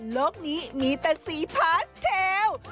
โลกนี้มีแต่สีพาสเทล